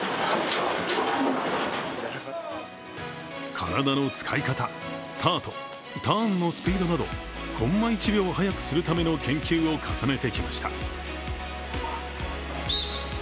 体の使い方、スタート、ターンのスピードなどコンマ１秒早くするための研究を重ねてきました。